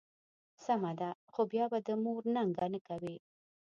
سمه ده، خو بیا به د مور ننګه نه کوې.